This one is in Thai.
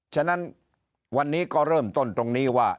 ฉะนั้นวันนี้ก็เริ่มต้นตรงนี้ว่า